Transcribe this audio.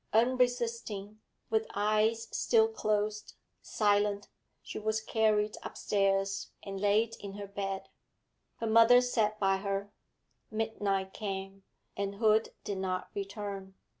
Unresisting, with eyes still closed, silent, she was carried upstairs and laid in her bed. Her mother sat by her. Midnight came, and Hood did not return.